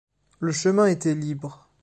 Le chemin était libre.